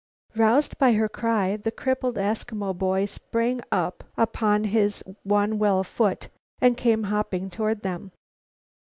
Roused by her cry, the crippled Eskimo boy sprang upon his one well foot and came hopping toward them.